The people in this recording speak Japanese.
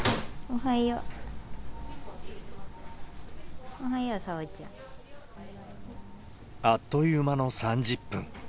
おはよう、あっという間の３０分。